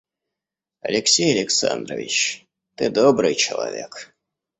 Алексей Александрович, ты добрый человек.